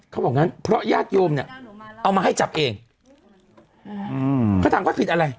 เขาบอกงั้นเพราะญาติโยมเนี่ยเอามาให้จับเองอืมเขาถามว่าผิดอะไร